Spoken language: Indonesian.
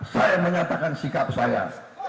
saya menyatakan sikap saya